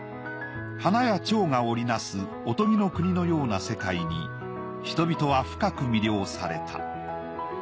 花や蝶が織りなすおとぎの国のような世界に人々は深く魅了された。